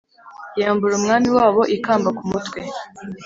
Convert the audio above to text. Yambura umwami wabo ikamba ku mutwe